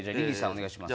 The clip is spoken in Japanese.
お願いします。